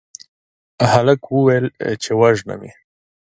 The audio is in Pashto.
هلک وويل چې وژنم يې